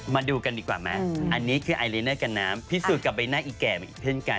มาดูกันดีกว่าไหมอันนี้คือไอรีเนอร์กับน้ำพิสูจนกับใบหน้าอีแก่ไปอีกเช่นกัน